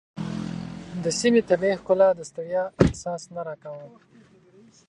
د سیمې طبیعي ښکلا د ستړیا احساس نه راکاوه.